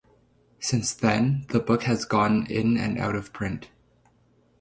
Since then, the book has gone in and out of print.